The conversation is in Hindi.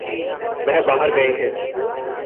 वह बाहर गये है।